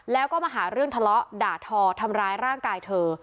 แล้วก็มาหาเรื่องทะเลาะด่าทอทำร้ายร่างกายเธอ